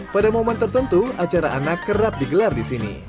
pada momen tertentu acara anak kerap digelar di sini